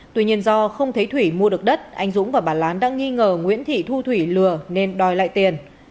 tuy nhiên do không thấy thủy mua được đất anh dũng và bà lán đang nghi ngờ nguyễn thị thu thủy lừa nên đòi lại tiền